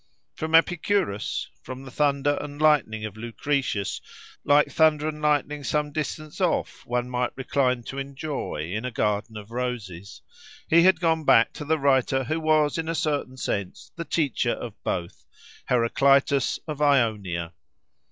From Epicurus, from the thunder and lightning of Lucretius—like thunder and lightning some distance off, one might recline to enjoy, in a garden of roses—he had gone back to the writer who was in a certain sense the teacher of both, Heraclitus of Ionia.